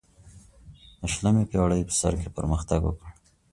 د شلمې پیړۍ په سر کې پرمختګ وکړ.